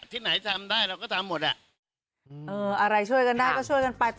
ที่ไหนทำได้เราก็ทำหมดอ่ะเอออะไรช่วยกันได้ก็ช่วยกันไปแต่